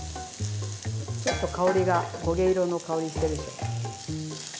ちょっと香りが焦げ色の香りしてるでしょ。